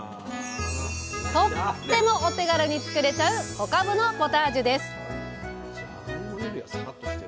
とってもお手軽に作れちゃう「小かぶのポタージュ」です！